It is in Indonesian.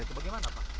itu bagaimana pak